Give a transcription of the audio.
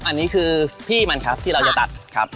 อันนี้คือพี่มันครับที่เราจะตัดครับ